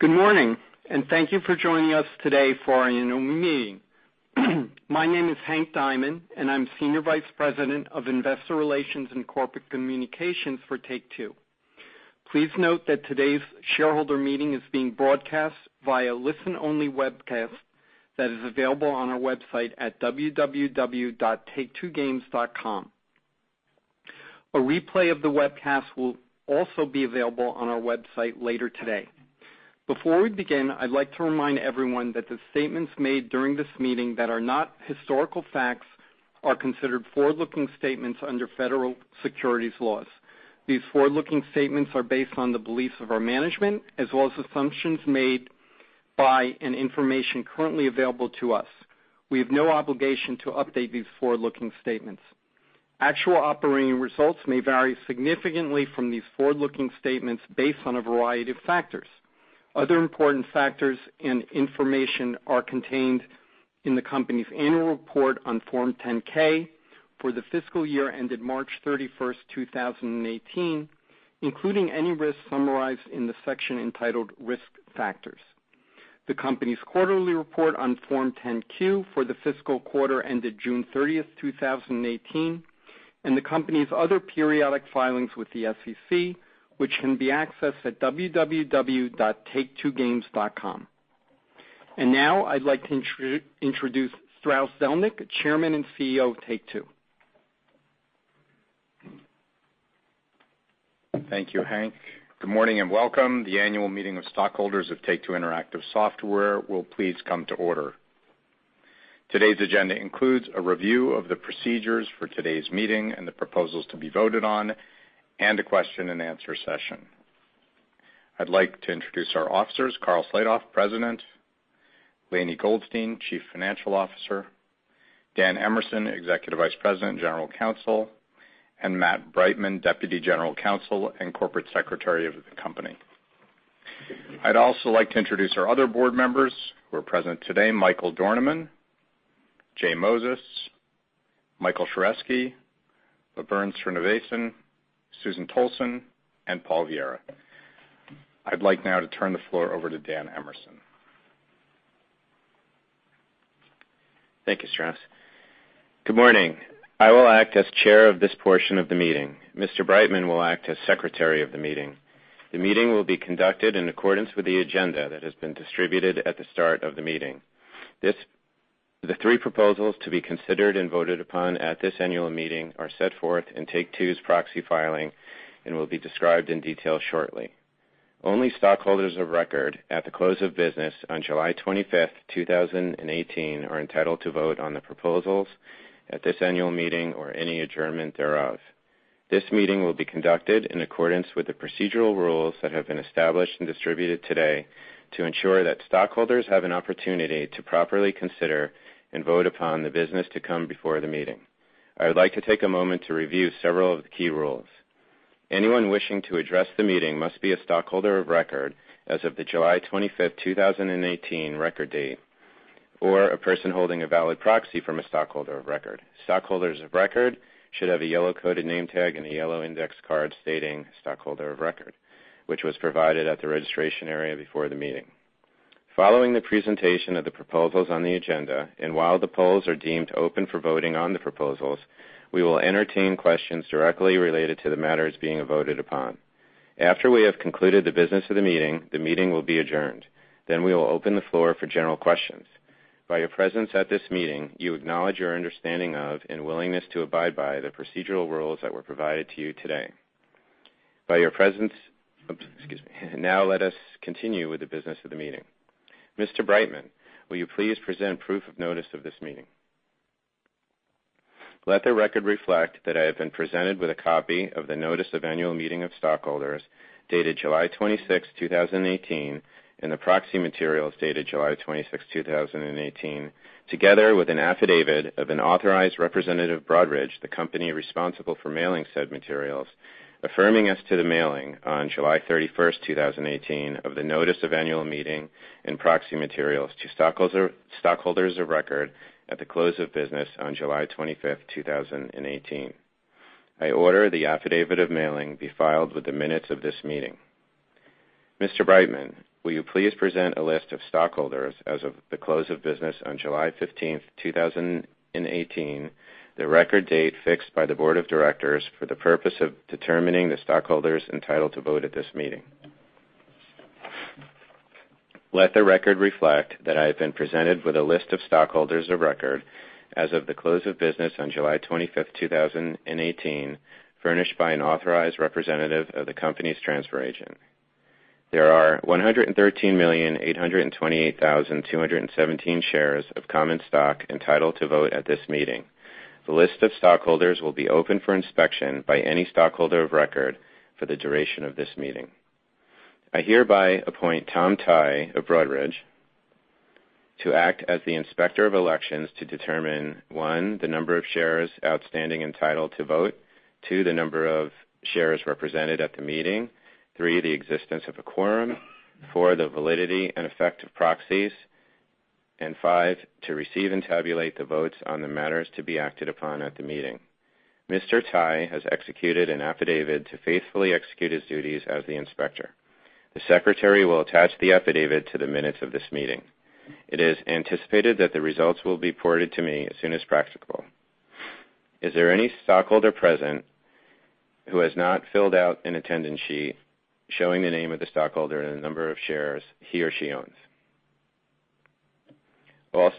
Good morning, thank you for joining us today for our annual meeting. My name is Hank Diamond, and I'm Senior Vice President of Investor Relations and Corporate Communications for Take-Two. Please note that today's shareholder meeting is being broadcast via listen-only webcast that is available on our website at www.taketwogames.com. A replay of the webcast will also be available on our website later today. Before we begin, I'd like to remind everyone that the statements made during this meeting that are not historical facts are considered forward-looking statements under federal securities laws. These forward-looking statements are based on the beliefs of our management as well as assumptions made by and information currently available to us. We have no obligation to update these forward-looking statements. Actual operating results may vary significantly from these forward-looking statements based on a variety of factors. Other important factors and information are contained in the Company's annual report on Form 10-K for the fiscal year ended March 31st, 2018, including any risks summarized in the section entitled Risk Factors. The Company's quarterly report on Form 10-Q for the fiscal quarter ended June 30th, 2018, and the Company's other periodic filings with the SEC, which can be accessed at www.taketwogames.com. Now I'd like to introduce Strauss Zelnick, Chairman and CEO of Take-Two. Thank you, Hank. Good morning and welcome. The annual meeting of stockholders of Take-Two Interactive Software will please come to order. Today's agenda includes a review of the procedures for today's meeting and the proposals to be voted on, and a question and answer session. I'd like to introduce our officers, Karl Slatoff, President; Lainie Goldstein, Chief Financial Officer; Dan Emerson, Executive Vice President and General Counsel; and Matt Breitman, Deputy General Counsel and Corporate Secretary of the Company. I'd also like to introduce our other board members who are present today: Michael Dornemann, Jay Moses, Michael Scharesky, LaVerne Srinivasan, Susan Tolson, and Paul Viera. I'd like now to turn the floor over to Dan Emerson. Thank you, Strauss. Good morning. I will act as chair of this portion of the meeting. Mr. Breitman will act as Secretary of the Meeting. The meeting will be conducted in accordance with the agenda that has been distributed at the start of the meeting. The three proposals to be considered and voted upon at this annual meeting are set forth in Take-Two's proxy filing and will be described in detail shortly. Only stockholders of record at the close of business on July 25th, 2018, are entitled to vote on the proposals at this annual meeting or any adjournment thereof. This meeting will be conducted in accordance with the procedural rules that have been established and distributed today to ensure that stockholders have an opportunity to properly consider and vote upon the business to come before the meeting. I would like to take a moment to review several of the key rules. Anyone wishing to address the meeting must be a stockholder of record as of the July 25th, 2018, record date, or a person holding a valid proxy from a stockholder of record. Stockholders of record should have a yellow-coded name tag and a yellow index card stating "Stockholder of Record," which was provided at the registration area before the meeting. Following the presentation of the proposals on the agenda, and while the polls are deemed open for voting on the proposals, we will entertain questions directly related to the matters being voted upon. After we have concluded the business of the meeting, the meeting will be adjourned. We will open the floor for general questions. By your presence at this meeting, you acknowledge your understanding of and willingness to abide by the procedural rules that were provided to you today. Now let us continue with the business of the meeting. Mr. Breitman, will you please present proof of notice of this meeting? Let the record reflect that I have been presented with a copy of the Notice of Annual Meeting of Stockholders dated July 26th, 2018, and the proxy materials dated July 26th, 2018, together with an affidavit of an authorized representative of Broadridge, the company responsible for mailing said materials, affirming as to the mailing on July 31st, 2018, of the notice of annual meeting and proxy materials to stockholders of record at the close of business on July 25th, 2018. I order the affidavit of mailing be filed with the minutes of this meeting. Mr. Breitman, will you please present a list of stockholders as of the close of business on July 15th, 2018, the record date fixed by the board of directors for the purpose of determining the stockholders entitled to vote at this meeting. Let the record reflect that I have been presented with a list of stockholders of record as of the close of business on July 25th, 2018, furnished by an authorized representative of the company's transfer agent. There are 113,828,217 shares of common stock entitled to vote at this meeting. The list of stockholders will be open for inspection by any stockholder of record for the duration of this meeting. I hereby appoint Tom Tighe of Broadridge to act as the Inspector of Elections to determine, one, the number of shares outstanding entitled to vote; two, the number of shares represented at the meeting; three, the existence of a quorum; four, the validity and effect of proxies; five, to receive and tabulate the votes on the matters to be acted upon at the meeting. Mr. Tighe has executed an affidavit to faithfully execute his duties as the inspector. The secretary will attach the affidavit to the minutes of this meeting. It is anticipated that the results will be reported to me as soon as practicable. Is there any stockholder present who has not filled out an attendance sheet showing the name of the stockholder and the number of shares he or she owns? All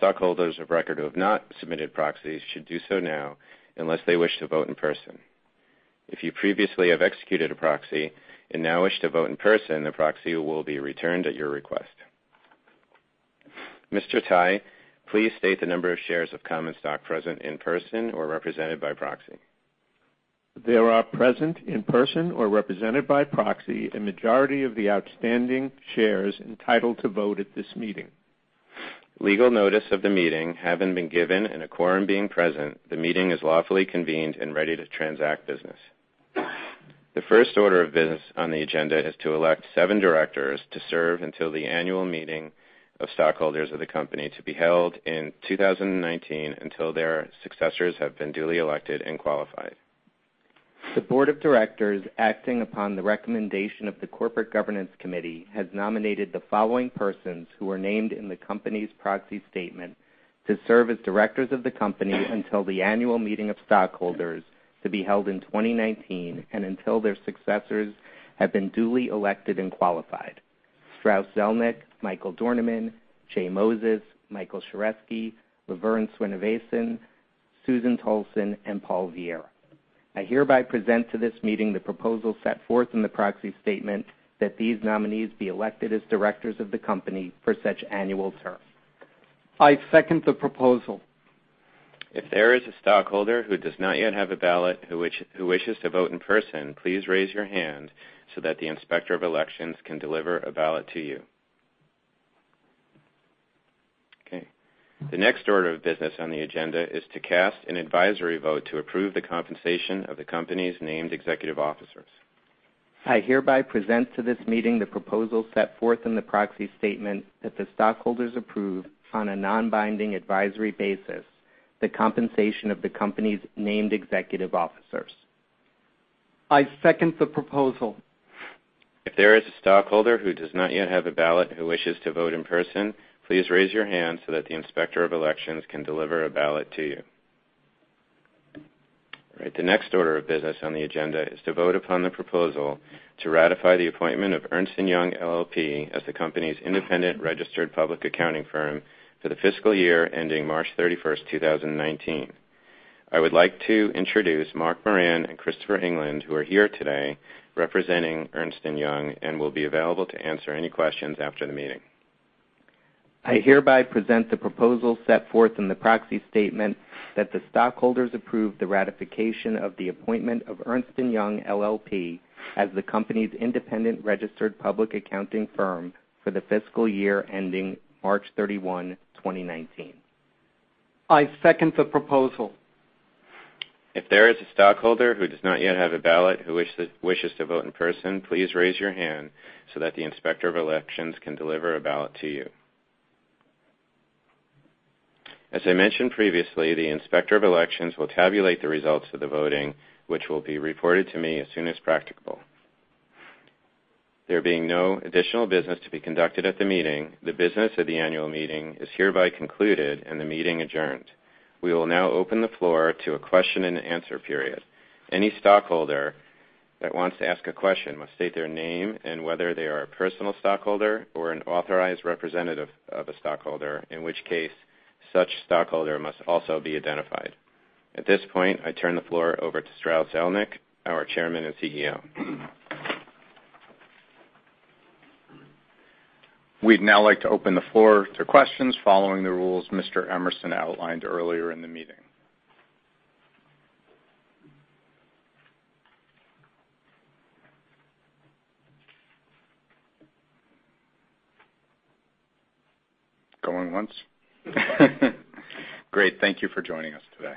stockholders of record who have not submitted proxies should do so now, unless they wish to vote in person. If you previously have executed a proxy and now wish to vote in person, the proxy will be returned at your request. Mr. Tighe, please state the number of shares of common stock present in person or represented by proxy. There are present, in person or represented by proxy, a majority of the outstanding shares entitled to vote at this meeting. Legal notice of the meeting having been given and a quorum being present, the meeting is lawfully convened and ready to transact business. The first order of business on the agenda is to elect seven directors to serve until the annual meeting of stockholders of the company to be held in 2019, until their successors have been duly elected and qualified. The board of directors, acting upon the recommendation of the Corporate Governance Committee, has nominated the following persons who are named in the company's proxy statement to serve as directors of the company until the annual meeting of stockholders to be held in 2019 and until their successors have been duly elected and qualified. Strauss Zelnick, Michael Dornemann, J Moses, Michael Sheresky, LaVerne Srinivasan, Susan Tolson, and Paul Viera. I hereby present to this meeting the proposal set forth in the proxy statement that these nominees be elected as directors of the company for such annual term. I second the proposal. If there is a stockholder who does not yet have a ballot who wishes to vote in person, please raise your hand so that the Inspector of Elections can deliver a ballot to you. Okay. The next order of business on the agenda is to cast an advisory vote to approve the compensation of the company's named executive officers. I hereby present to this meeting the proposal set forth in the proxy statement that the stockholders approve, on a non-binding advisory basis, the compensation of the company's named executive officers. I second the proposal. If there is a stockholder who does not yet have a ballot who wishes to vote in person, please raise your hand so that the Inspector of Elections can deliver a ballot to you. All right. The next order of business on the agenda is to vote upon the proposal to ratify the appointment of Ernst & Young LLP as the company's independent registered public accounting firm for the fiscal year ending March 31st, 2019. I would like to introduce Mark Moran and Christopher England, who are here today representing Ernst & Young and will be available to answer any questions after the meeting. I hereby present the proposal set forth in the proxy statement that the stockholders approve the ratification of the appointment of Ernst & Young LLP as the company's independent registered public accounting firm for the fiscal year ending March 31, 2019. I second the proposal. If there is a stockholder who does not yet have a ballot who wishes to vote in person, please raise your hand so that the Inspector of Elections can deliver a ballot to you. As I mentioned previously, the Inspector of Elections will tabulate the results of the voting, which will be reported to me as soon as practicable. There being no additional business to be conducted at the meeting, the business of the annual meeting is hereby concluded and the meeting adjourned. We will now open the floor to a question and answer period. Any stockholder that wants to ask a question must state their name and whether they are a personal stockholder or an authorized representative of a stockholder, in which case such stockholder must also be identified. At this point, I turn the floor over to Strauss Zelnick, our Chairman and CEO. We'd now like to open the floor to questions following the rules Mr. Emerson outlined earlier in the meeting. Going once. Great. Thank you for joining us today.